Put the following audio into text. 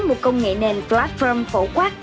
một công nghệ nền platform phổ quát